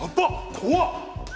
怖っ！